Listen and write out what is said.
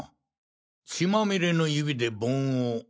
血まみれの指で盆を！！